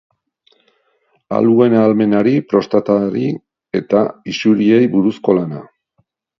Aluen ahalmenari, prostatari eta isuriei buruzko lana.